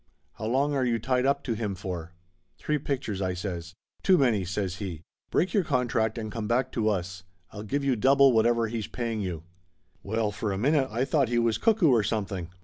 How long are you tied up to him for?" "Three pictures," I says. "Too many!" says he. "Break your contract and come back to us. I'll give you double whatever he's paying you !" Well, for a minute I thought he was cuckoo or something.